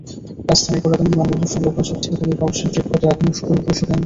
রাজধানীর পুরাতন বিমানবন্দর-সংলগ্ন ঝোপ থেকে কুড়িয়ে পাওয়া শিশুটির ক্ষত এখনো পুরোপুরি শুকায়নি।